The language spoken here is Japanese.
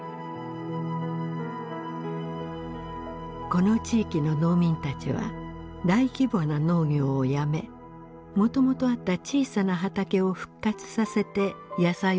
この地域の農民たちは大規模な農業をやめもともとあった小さな畑を復活させて野菜を作り朝市で売っていました。